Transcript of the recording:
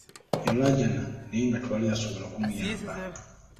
Yalaajana naye nga tewali ayinza kumuyamba.